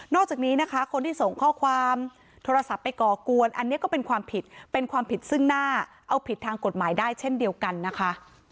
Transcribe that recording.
จากนี้นะคะคนที่ส่งข้อความโทรศัพท์ไปก่อกวนอันนี้ก็เป็นความผิดเป็นความผิดซึ่งหน้าเอาผิดทางกฎหมายได้เช่นเดียวกันนะคะ